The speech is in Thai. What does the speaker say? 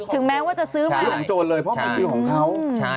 แม้ว่าจะซื้อมาซื้อของโจรเลยเพราะมันคือของเขา